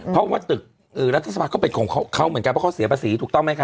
เพราะว่าตึกรัฐสภาก็เป็นของเขาเหมือนกันเพราะเขาเสียภาษีถูกต้องไหมค